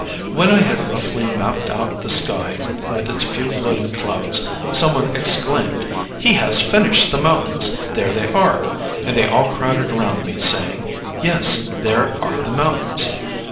When I had roughly mapped out the sky with its few floating clouds, some one exclaimed, "He has finished the mountains, there they are!" and they all crowded around me, saying, "Yes, there are the mountains!"